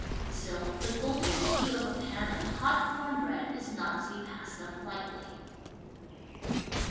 Still the golden hue of a pan of hot com bread is not to be passed up lightly.